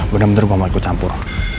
bener bener gue gak mau ikut campur